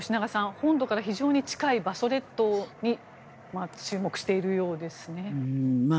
本土から非常に近い馬祖列島に注目しているようですね。